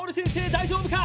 大丈夫か？